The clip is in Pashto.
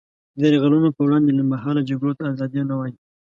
د یرغلونو پر وړاندې لنډمهاله جګړو ته ازادي نه وايي.